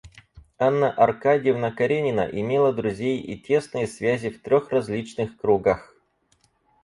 Анна Аркадьевна Каренина имела друзей и тесные связи в трех различных кругах.